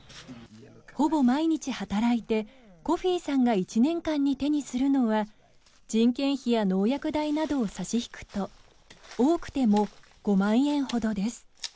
ほぼ毎日働いてコフィさんが１年間に手にするのは人件費や農薬代などを差し引くと多くても５万円ほどです。